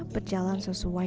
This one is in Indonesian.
kehidupan memang tidak selamanya